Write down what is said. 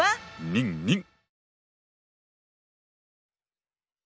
ニンニン。